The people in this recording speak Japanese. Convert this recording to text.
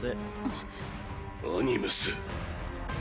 アニムス。